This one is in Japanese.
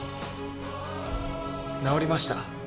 治りました。